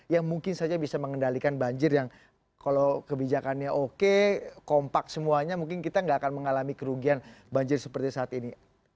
yang mungkin saja bisa mengendalikan banjir yang kalau kebijakannya oke kompak semuanya mungkin kita nggak akan mengalami kerugian banjir seperti saat ini